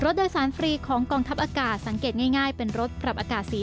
โดยสารฟรีของกองทัพอากาศสังเกตง่ายเป็นรถปรับอากาศสี